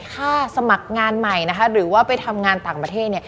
สมัครงานใหม่นะคะหรือว่าไปทำงานต่างประเทศ